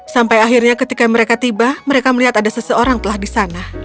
sampai akhirnya ketika mereka tiba mereka melihat ada seseorang telah di sana